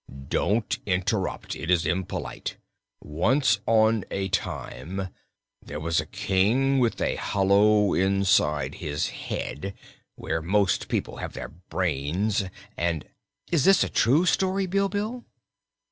"Don't interrupt; it is impolite. Once on a time there was a King with a hollow inside his head, where most people have their brains, and " "Is this a true story, Bilbil?"